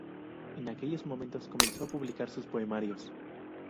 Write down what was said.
En aquellos momentos comenzó a publicar sus poemarios.